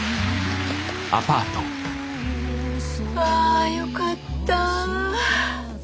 あよかった。